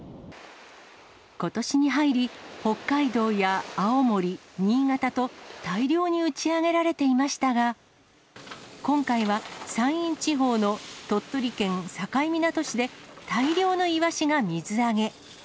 ことしに入り、北海道や青森、新潟と、大量に打ち上げられていましたが、今回は山陰地方の鳥取県境港市で、大量のイワシが水揚げ。